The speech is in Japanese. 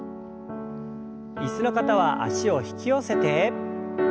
椅子の方は脚を引き寄せて。